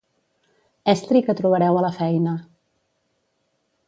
Estri que trobareu a la feina.